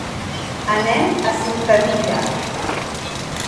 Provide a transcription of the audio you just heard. Anem a Ciutadilla.